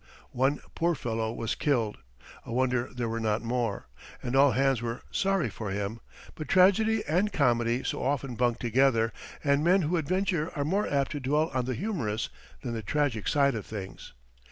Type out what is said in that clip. One poor fellow was killed a wonder there were not more and all hands were sorry for him; but tragedy and comedy so often bunk together, and men who adventure are more apt to dwell on the humorous than the tragic side of things.